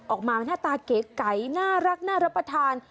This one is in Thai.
ออกมาหน้าตาเก๋น่ารักน่ารับประทาน